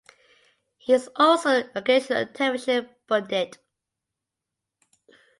He is also an occasional television pundit.